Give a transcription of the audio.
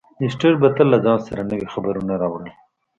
لیسټرډ به تل له ځان سره نوي خبرونه راوړل.